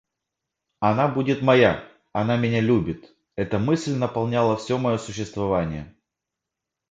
Она будет моя! она меня любит! Эта мысль наполняла все мое существование.